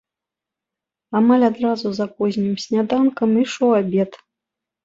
Амаль адразу за познім сняданкам ішоў абед.